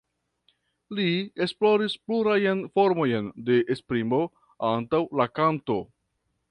Li esploris plurajn formojn de esprimo antaŭ la kanto.